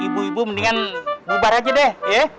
ibu ibu mendingan bubar aja deh ya